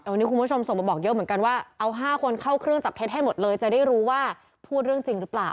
วันนี้คุณผู้ชมส่งมาบอกเยอะเหมือนกันว่าเอา๕คนเข้าเครื่องจับเท็จให้หมดเลยจะได้รู้ว่าพูดเรื่องจริงหรือเปล่า